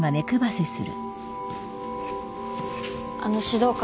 あの指導官。